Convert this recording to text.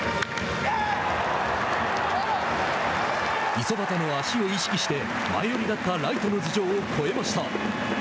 五十幡の足を意識して前寄りだったライトの頭上を越えました。